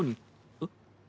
えっ？